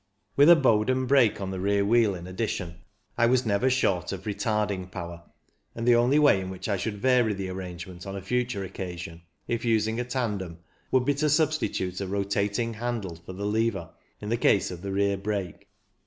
With a Bowden brake on the rear wheel in addition I was never short of retarding power, and the only way in which I should vary the arrangement on a future occasion, if using a tandem, would be to substitute a rotating handle for the lever in the case of the rear brake.